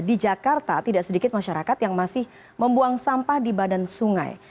di jakarta tidak sedikit masyarakat yang masih membuang sampah di badan sungai